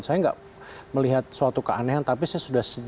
dan akhirnya karena performance pesawat bagus parameter itu tidak terlalu signifikan